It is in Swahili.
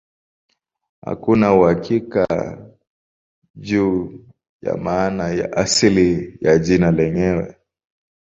Hakuna uhakika juu ya maana ya asili ya jina lenyewe.